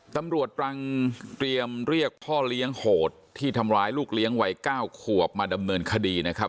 ตรังเตรียมเรียกพ่อเลี้ยงโหดที่ทำร้ายลูกเลี้ยงวัย๙ขวบมาดำเนินคดีนะครับ